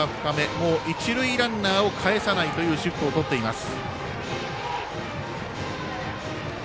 もう一塁ランナーをかえさないというシフトをとっています。